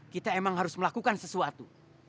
kita emang harus melakukan sesuatu